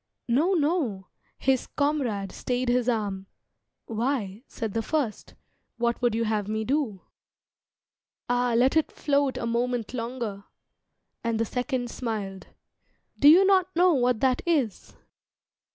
"No, no!" His comrade stayed his arm. "Why," said the first, "What would you have me do?" "Ah, let it float A moment longer!" And the second smiled. "Do you not know what that is?"